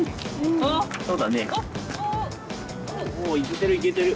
おおいけてるいけてる。